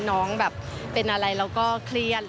น้องแบบเป็นอะไรแล้วก็เครียด